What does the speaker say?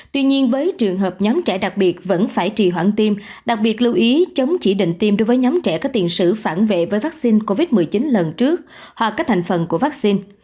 tuy nhiên với trường hợp nhóm trẻ đặc biệt vẫn phải trì hoãn tiêm đặc biệt lưu ý chống chỉ định tiêm đối với nhóm trẻ có tiền sử phản vệ với vaccine covid một mươi chín lần trước hoặc các thành phần của vaccine